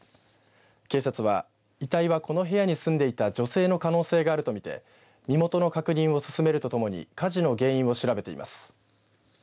警察は、遺体はこの部屋に住んでいた女性の可能性があるとみて身元の確認を進めるとともに火事の原因を調べています。